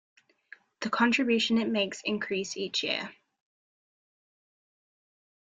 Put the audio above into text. The contribution it makes increase each year.